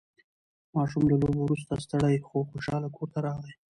ماشوم له لوبو وروسته ستړی خو خوشحال کور ته راغی